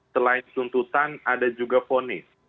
selain tuntutan ada juga ponis